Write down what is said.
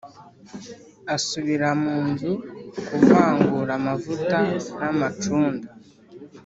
asubira munzu kuvangura amavuta na macunda